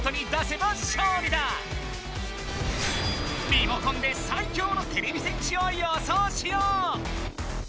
リモコンで最強のてれび戦士を予想しよう！